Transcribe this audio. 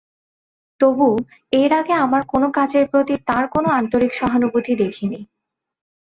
তবু, এর আগে আমার কোনো কাজের প্রতি তাঁর কোনো আন্তরিক সহানুভূতি দেখিনি।